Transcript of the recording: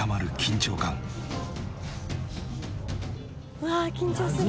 うわあ緊張する。